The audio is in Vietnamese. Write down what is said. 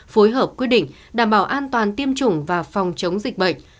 phối hợp quyết định đảm bảo an toàn tiêm chủng và phòng chống dịch bệnh